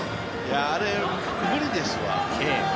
あれ、無理ですわ。